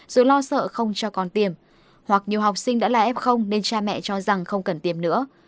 dù lo sợ không cho con tiềm hoặc nhiều học sinh đã là f nên cha mẹ cho rằng không cần tiêm nữa